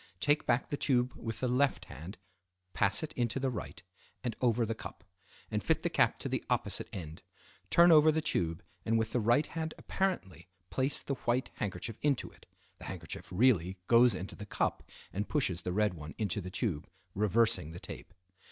Take back the tube with the left hand, pass it into the right, and over the cup; and fit the cap to the opposite end. Turn over the tube, and with the right hand apparently place the white handkerchief into it (the handkerchief really goes into the cup and pushes the red one into the tube, reversing the tape).